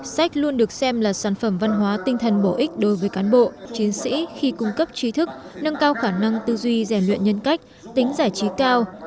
sách luôn được xem là sản phẩm văn hóa tinh thần bổ ích đối với cán bộ chiến sĩ khi cung cấp trí thức nâng cao khả năng tư duy dè luyện nhân cách tính giải trí cao